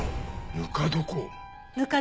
ぬか床？